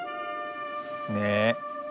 ねえ。